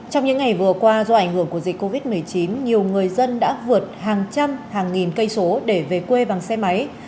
trong những ngày vừa qua do ảnh hưởng của dịch covid một mươi chín nhiều người dân đã vượt hàng trăm hàng nghìn cây số để về quê bằng xe máy